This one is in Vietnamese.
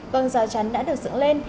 vâng rào chắn đã được dựng lên